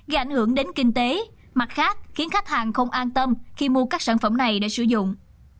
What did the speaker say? gây ảnh hưởng đến kinh tế mặt khác khiến khách hàng không an tâm khi mua các sản phẩm này để sử dụng